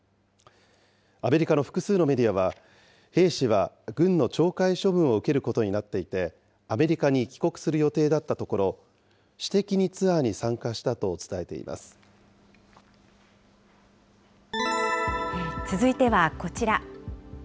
アメリカの複数のメディアは、兵士は軍の懲戒処分を受けることになっていて、アメリカに帰国する予定だったところ、私的にツアーに参加したと続いてはこちら。